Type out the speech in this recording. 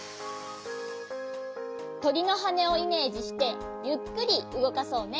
とりのはねをイメージしてゆっくりうごかそうね。